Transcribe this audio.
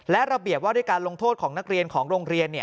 และระเบียบว่าด้วยการลงโทษของนักเรียนของโรงเรียน